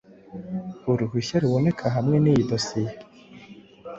Uruhushya ruboneka hamwe niyi dosiye